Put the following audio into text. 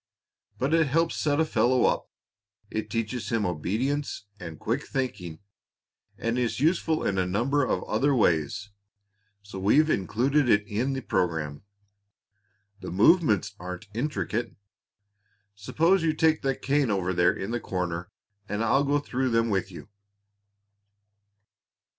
But it helps set a fellow up, it teaches him obedience and quick thinking, and is useful in a number of other ways, so we've included it in the program. The movements aren't intricate. Suppose you take that cane over in the corner, and I'll go through them with you."